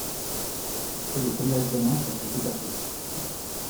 Dès le premier examen elle fut écartée.